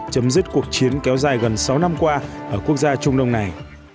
chấm dứt cuộc chiến kéo dài gần sáu năm qua ở quốc gia trung đông này